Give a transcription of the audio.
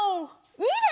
いいね！